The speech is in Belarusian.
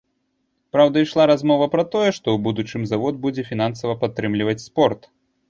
Праўда, ішла размова пра тое, што ў будучым завод будзе фінансава падтрымліваць спорт.